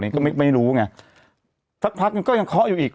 ก็ไม่รู้ไงสักพักนึงก็ยังเคาะอยู่อีก